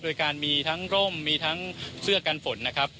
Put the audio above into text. โดยการมีทั้งร่มมีทั้งเสื้อกันฝนนะครับ